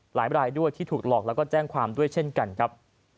รายด้วยที่ถูกหลอกแล้วก็แจ้งความด้วยเช่นกันครับ